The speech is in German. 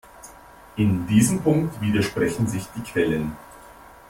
In diesem Punkt widersprechen sich die Quellen.